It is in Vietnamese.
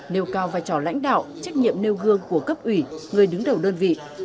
nêu cao vai trò lãnh đạo trách nhiệm nêu gương của cấp ủy người đứng đầu đơn vị